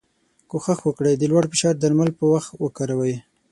کوښښ وکړی د لوړ فشار درمل په وخت وکاروی.